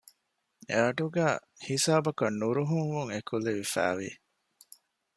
އެއަޑުގައި ހިސާބަކަށް ނުރުހުންވުން އެކުލެވިފައިވި